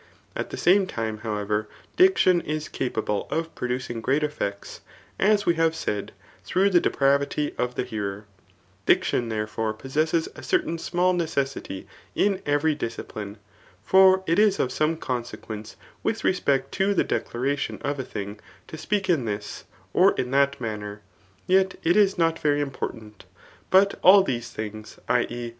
At the same time, however, diction is capable of producing great eflFects, as we have < said, through the depravity of the hearer. Diction there Core possesses a certain small necessity in every disci pline. For it is of some consequence with respect to the declaration of a thtng» to speak in thi$, or in that manner ; yet it is not very important, but all these [i. e.